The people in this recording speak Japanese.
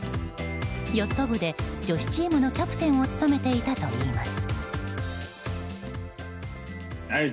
ヨット部で女子チームのキャプテンを務めていたといいます。